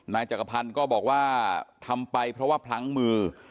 นายจักรพันธ์ก็บอกว่าทำไปเพราะว่าพลั้งมือ